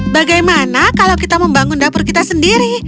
bagaimana kalau kita membangun dapur kita sendiri